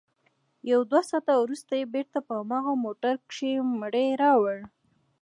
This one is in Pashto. يو دوه ساعته وروسته يې بېرته په هماغه موټر کښې مړى راوړ.